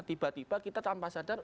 tiba tiba kita tanpa sadar